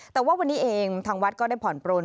แต่ว่าวันนี้เองทางวัดก็ได้ผ่อนปลน